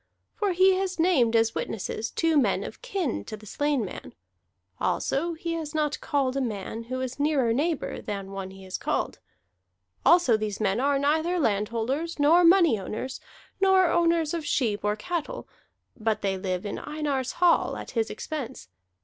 For he has named as witnesses two men of kin to the slain man; also he has not called a man who is nearer neighbor than one he has called. Also these men are neither landholders, nor money owners, nor owners of sheep or cattle; but they live in Einar's hall at his expense.